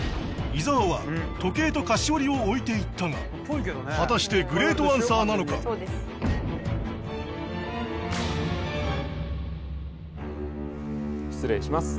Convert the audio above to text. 伊沢は時計と菓子折りを置いていったが果たしてグレートアンサーなのか失礼します